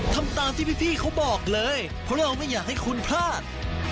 ทำตามที่พี่เขาบอกเลยเพราะเราไม่อยากให้คุณพลาด